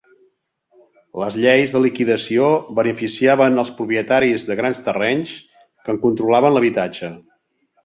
Les lleis de liquidació beneficiaven els propietaris de grans terrenys, que en controlaven l'habitatge.